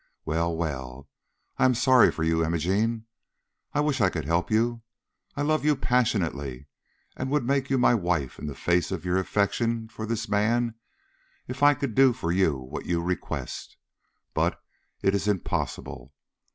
Well, well, I am sorry for you, Imogene. I wish I could help you. I love you passionately, and would make you my wife in face of your affection for this man if I could do for you what you request. But it is impossible.